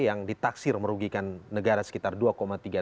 yang ditaksir merugikan negara sekitar jawa tenggara